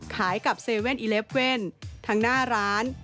ขายกับ๗๑๑ทั้งหน้าร้าน